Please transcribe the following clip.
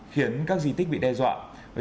khiến các di tích bị đe dọa